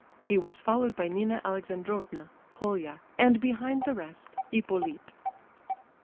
He was followed by Nina Alexandrovna, Colia, and behind the rest, Hippolyte. II.